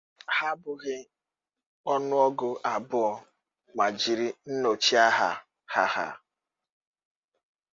Ha abụghị ọnụọgụ abụọ ma jiri nnọchiaha ha/ha.